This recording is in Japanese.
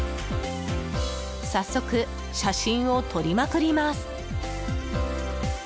早速、写真を撮りまくります。